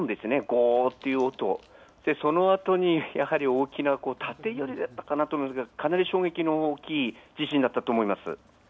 ゴーッという音そのあとやはり大きな縦揺れだったかと思うんですがかなり衝撃の大きい地震だったと思います。